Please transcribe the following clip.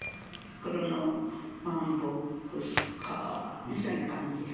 黒のワンボックスカーみたいな感じです。